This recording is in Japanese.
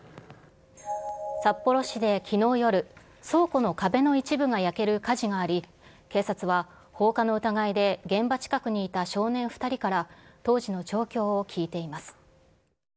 札幌市できのう夜、倉庫の壁の一部が焼ける火事があり、警察は放火の疑いで現場近くにいた少年２人から当時の状況を聴いています。